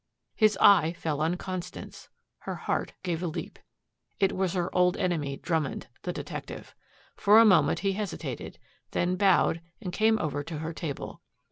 His eye fell on Constance. Her heart gave a leap. It was her old enemy, Drummond, the detective. For a moment he hesitated, then bowed, and came over to her table.